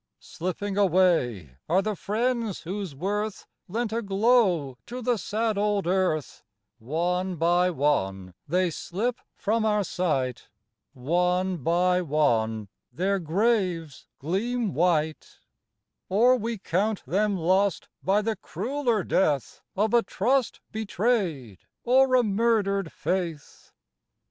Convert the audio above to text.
Slipping away are the friends whose worth Lent a glow to the sad old earth: One by one they slip from our sight; One by one their graves gleam white; Or we count them lost by the crueler death Of a trust betrayed, or a murdered faith.